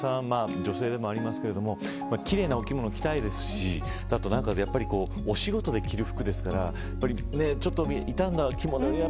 女性でもありますけれども奇麗なお着物、着たいですしお仕事で着る服ですからちょっと傷んだ着物